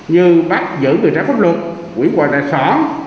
như bắt giữ người trái pháp luật quỹ quà tài sản